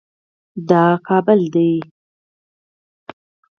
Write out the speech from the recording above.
دا کابل دی